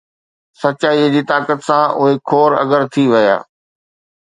سچائيءَ جي طاقت سان، اهي حُور ’اگر‘ ٿي ويا